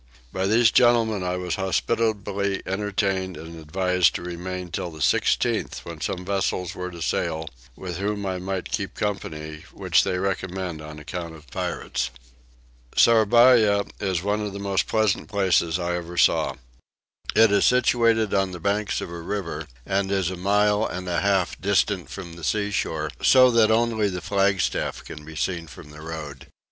By these gentlemen I was hospitably entertained, and advised to remain till the 16th when some vessels were to sail, with whom I might keep company, which they recommended on account of pirates. Sourabaya is one of the most pleasant places I ever saw. It is situated on the banks of a river and is a mile and a half distant from the seashore so that only the flagstaff can be seen from the road.